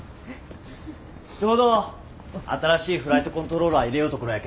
ちょうど新しいフライトコントローラー入れようところやけん。